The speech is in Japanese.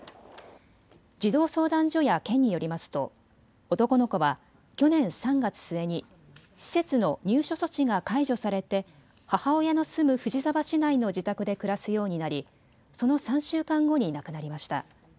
児童相談所や県によりますと男の子は去年３月末に施設の入所措置が解除されて母親の住む藤沢市内の自宅で暮らすようになりその３週間後に亡くなりました。